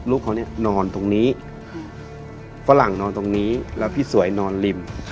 ลูกเขาเนี่ยนอนตรงนี้ฝรั่งนอนตรงนี้แล้วพี่สวยนอนริม